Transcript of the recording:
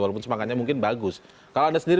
walaupun semangatnya mungkin bagus kalau anda sendiri